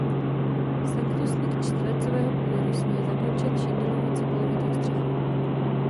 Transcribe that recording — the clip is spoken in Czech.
Sanktusník čtvercového půdorysu je zakončen šindelovou cibulovitou střechou.